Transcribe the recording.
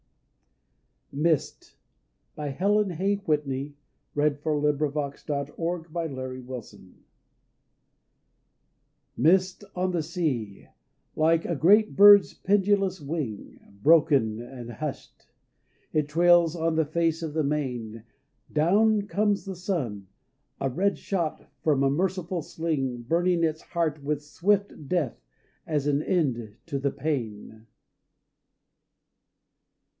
he twilight West Are joys more rich than all the world's display." MIST Mist on the sea; like a great bird's pendulous wing, Broken and hushed; it trails on the face of the main, Down comes the sun, a red shot from a merciful sling Burning its heart with swift death as an end to the pain.